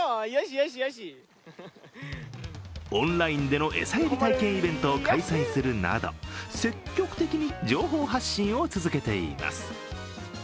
オンラインでの餌やり体験イベントを開催するなど積極的に情報発信を続けています。